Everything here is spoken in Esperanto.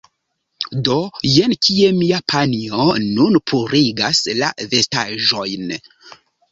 Do, jen kie mia panjo nun purigas la vestaĵojn